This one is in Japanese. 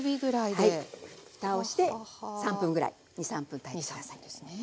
ふたをして３分ぐらい２３分炊いて下さい。